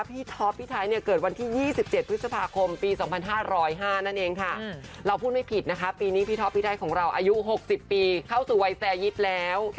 พี่ท๊อปพี่ไทยเนี่ยเกิดวันที่๒๗พฤษภาคมปี๒๕๐๕นั่นเองค่ะ